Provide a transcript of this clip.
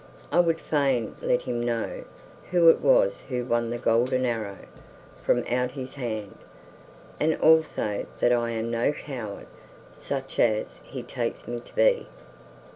I would fain let him know who it was who won the golden arrow from out his hand, and also that I am no coward such as he takes me to be."